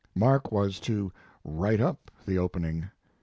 Mark was to "write up" the opening.